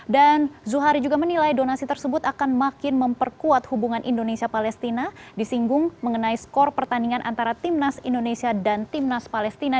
dan zuhair juga menilai donasi tersebut akan makin memperkuat hubungan indonesia palestina disinggung mengenai skor pertandingan antara timnas indonesia dan timnas palestina